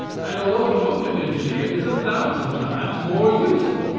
And a locomotive engineer is a thousand times more useful.